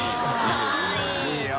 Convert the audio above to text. いいよ。